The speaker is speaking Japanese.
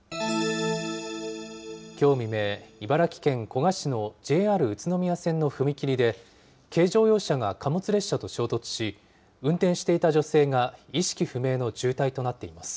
きょう未明、茨城県古河市のＪＲ宇都宮線の踏切で軽乗用車が貨物列車と衝突し、運転していた女性が意識不明の重体となっています。